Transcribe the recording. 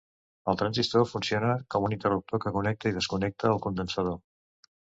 El transistor funciona com un interruptor que connecta i desconnecta al condensador.